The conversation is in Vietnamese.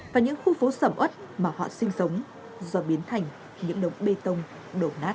và những khu phố sầm ất mà họ sinh sống do biến thành những đống bê tông đổ nát